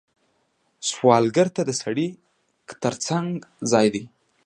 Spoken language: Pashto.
سوالګر ته د سړک تر څنګ ځای دی